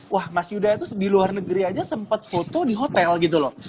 wah mas yuda itu di luar negeri aja sempet foto di hotel gitu loh